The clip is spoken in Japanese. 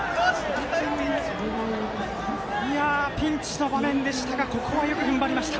ピンチの場面でしたがここはよくふんばりました。